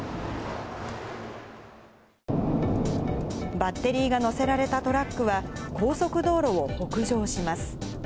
バッテリーが載せられたトラックは、高速道路を北上します。